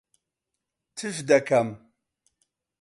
تف دەکەم.